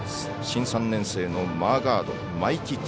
新３年生のマーガード真偉輝